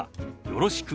「よろしく」。